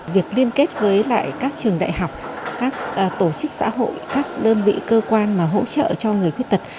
việc liên kết với lại các trường đại học các tổ chức xã hội các đơn vị cơ quan mà hỗ trợ cho người khuyết tật